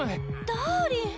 ダーリン。